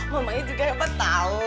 mamanya juga hebat tau